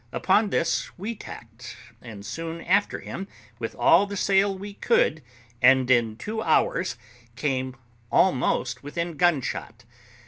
Upon this we tacked, and stood after him with all the sail we could, and in two hours came almost within gunshot.